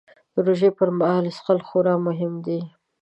د روژې پر مهال څښل خورا مهم دي